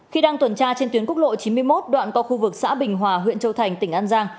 khi đang tuần tra trên tuyến quốc lộ chín mươi một đoạn qua khu vực xã bình hòa huyện châu thành tỉnh an giang